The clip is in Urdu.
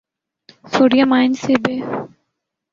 سوڈئیم آئن سے ب